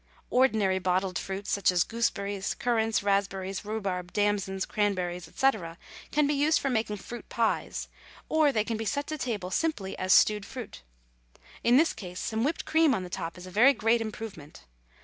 Ordinary bottled fruits, such as gooseberries, currants, raspberries, rhubarb, damsons, cranberries, etc., can be used for making fruit pies, or they can be sent to table simply as stewed fruit. In this case some whipped cream on the top is a very great improvement.